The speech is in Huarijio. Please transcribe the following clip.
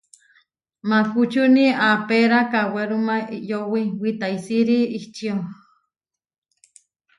Makučúni aapéra kawerúma iʼyówi witaisíri ičio.